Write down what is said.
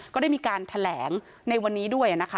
ก็ได้มีการแถลงในวันนี้ด้วยนะคะ